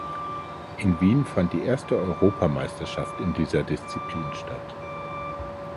In Wien fand die erste Europameisterschaft in dieser Disziplin statt.